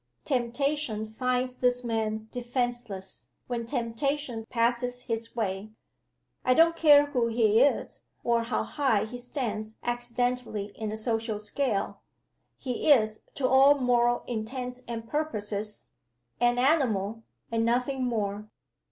Temptation finds this man defenseless, when temptation passes his way. I don't care who he is, or how high he stands accidentally in the social scale he is, to all moral intents and purposes, an Animal, and nothing more.